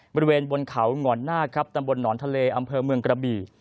บริเวณบนเขาหงอนนาคครับตำบลหนอนทะเลอำเภอเมืองกระบี่